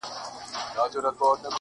هر نسل يې يادوي بيا بيا